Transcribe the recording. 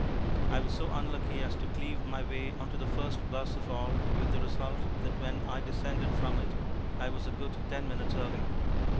I was so unlucky as to cleave my way on to the first 'bus of all, with the result that when I descended from it I was a good ten minutes early.